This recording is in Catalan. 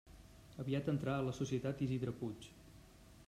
Aviat entrà a la societat Isidre Puig.